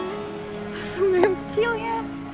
asal sembilan kecil ya